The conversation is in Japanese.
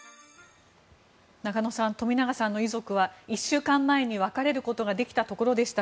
中野さん冨永さんの遺族は１週間前に別れることができたところでした